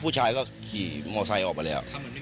ผู้ชายก็ขี่มอไซค์ออกมาแล้ว